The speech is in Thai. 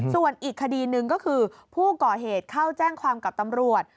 ส่วนอีกคดีหนึ่งก็คือผู้ก่อเหตุเข้าแจ้งความกับตำรวจ